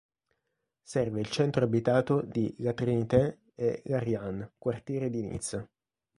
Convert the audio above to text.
Serve il centro abitato di La Trinité e "L'Ariane" quartiere di Nizza.